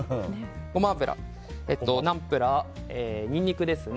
ゴマ油、ナンプラーニンニクですね。